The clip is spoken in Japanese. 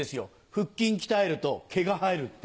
腹筋鍛えると毛が生えるって。